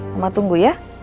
mama tunggu ya